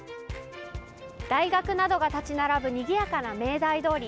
大学などが建ち並ぶにぎやかな明大通り。